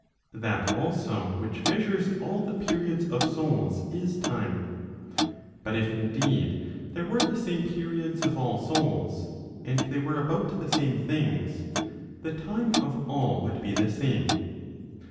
That also which measures all the periods of souls is time. But if indeed there were the same periods of all souls, and they were about the same things, the time of all would be the same.